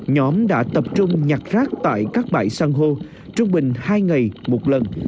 nhóm đã tập trung nhặt rác tại các bãi săn hô trung bình hai ngày một lần